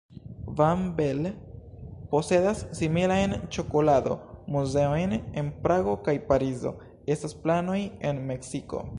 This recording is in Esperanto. Van Belle posedas similajn ĉokolado-muzeojn en Prago kaj Parizo; estas planoj en Meksiko.